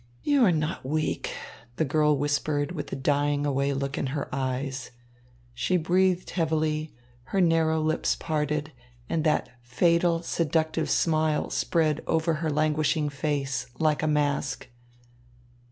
"You are not weak," the girl whispered with a dying away look in her eyes. She breathed heavily, her narrow lips parted, and that fatal, seductive smile spread over her languishing face, like a mask.